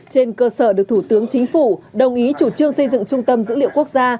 trên cơ sở được thủ tướng chính phủ đồng ý chủ trương xây dựng trung tâm dữ liệu quốc gia